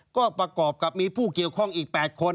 ก็ประกอบกับมีผู้เกี่ยวข้องอีก๘คน